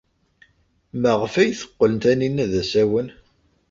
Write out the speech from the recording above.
Maɣef ay teqqel Taninna d asawen?